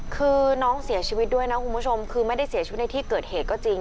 คือน้องเสียชีวิตด้วยนะคุณผู้ชมคือไม่ได้เสียชีวิตในที่เกิดเหตุก็จริง